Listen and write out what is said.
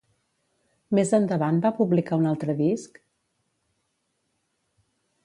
Més endavant va publicar un altre disc?